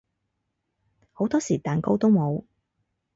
好多時蛋糕都冇